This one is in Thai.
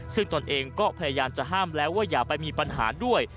ซึ่งตนเองก็พยายามจะห้ามแล้วว่าอย่าไปมีปัญหาด้วย